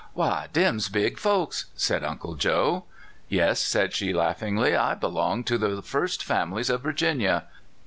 " Why, dem 's big folks," said Uncle Joe. "Yes," said she, laughingly; "I belong to the first families of Virginia."